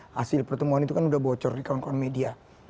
hasil pertemuan itu kan sudah bocor di kawan kawan media